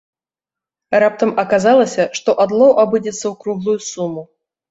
Раптам аказалася, што адлоў абыдзецца ў круглую суму!